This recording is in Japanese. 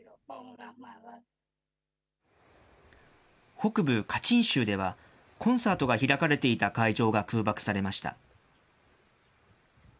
北部カチン州ではコンサートが開かれていた会場が空爆されました。